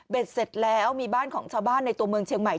เสร็จแล้วมีบ้านของชาวบ้านในตัวเมืองเชียงใหม่